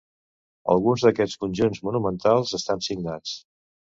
Alguns d'aquests conjunts monumentals estan signats.